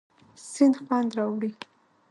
سیند خوند راوړي.